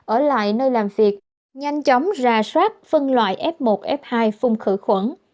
ở lại nơi làm việc nhanh chóng ra soát phân loại f một f hai phun khử khuẩn